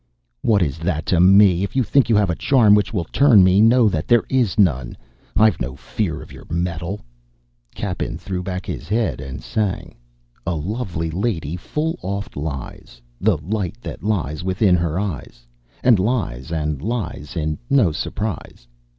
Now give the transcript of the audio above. "What is that to me? If you think you have a charm which will turn me, know that there is none. I've no fear of your metal!" Cappen threw back his head and sang: "_A lovely lady full oft lies. The light that lies within her eyes And lies and lies, in no surprise.